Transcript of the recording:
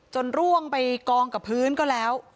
ร่วงไปกองกับพื้นก็แล้ว